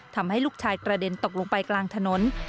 ทำให้ลูกชายกระเด็นตกลงไปกลางถนน